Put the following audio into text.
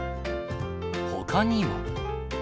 ほかには。